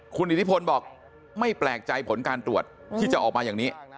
คุณอิทธิพลบอกไม่แปลกใจผลการตรวจที่จะออกมาอย่างนี้